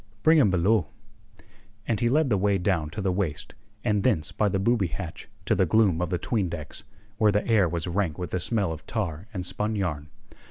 "Bring him below." And he led the way down to the waist, and thence by the booby hatch to the gloom of the 'tween decks, where the air was rank with the smell of tar and spun yarn.